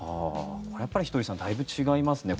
これはやっぱりひとりさん、だいぶ違いますね。